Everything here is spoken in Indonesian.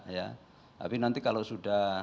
tapi nanti kalau sudah